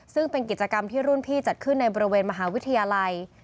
ซึ่งเป็นกิจกรรมที่รุ่นพี่จัดขึ้นในบริเวณมหาวิทยาลัย